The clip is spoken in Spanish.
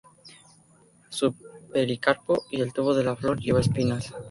Su pericarpo y el tubo de la flor llevan espinas.